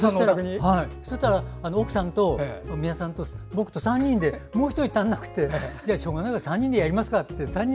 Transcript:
そしたら奥さんと宮田さんと僕と３人でもう１人足りなくてしょうがないから３人でやって。